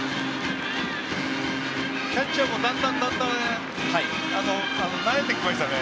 キャッチャーもだんだん慣れてきましたね。